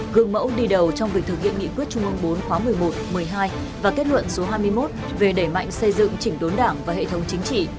gương mẫu đi đầu trong việc thực hiện nghị quyết trung ương bốn khóa một mươi một một mươi hai và kết luận số hai mươi một về đẩy mạnh xây dựng chỉnh đốn đảng và hệ thống chính trị